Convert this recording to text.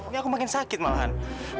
ini aku makin sakit malahan